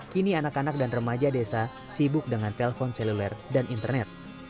kini anak anak dan remaja desa sibuk dengan telpon seluler dan internet